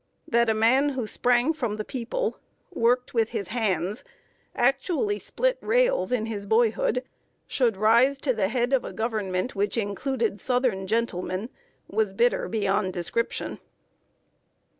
That a man who sprang from the people, worked with his hands, actually split rails in boyhood, should rise to the head of a Government which included Southern gentlemen, was bitter beyond description!